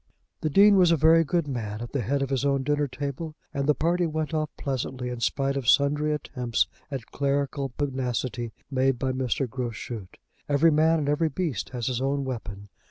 The Dean was a very good man at the head of his own dinner table, and the party went off pleasantly in spite of sundry attempts at clerical pugnacity made by Mr. Groschut. Every man and every beast has his own weapon.